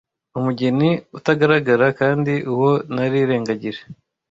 umugeni utagaragara kandi uwo narirengagije